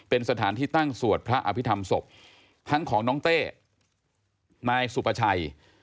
เป็นสถานที่ตั้งสวดพระอภิษฐรรมศพทั้งของน้องเต้นายสุภาชัย